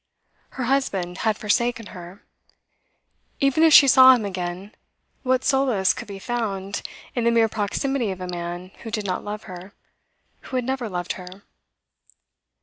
Her husband had forsaken her. Even if she saw him again, what solace could be found in the mere proximity of a man who did not love her, who had never loved her?